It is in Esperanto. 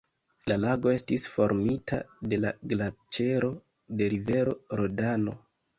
La lago estis formita de la glaĉero de rivero Rodano.